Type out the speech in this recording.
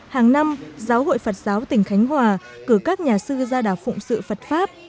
hàng năm giáo hội phật giáo tỉnh khánh hòa cử các nhà sư ra đảo phụng sự phật pháp